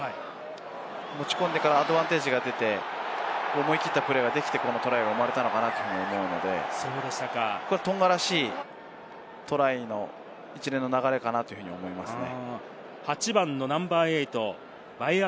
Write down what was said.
持ち込んでからアドバンテージが出て、思い切ったプレーができて、このトライが生まれたのかなと思うので、トンガらしいトライの一連の流れかなと思いますね。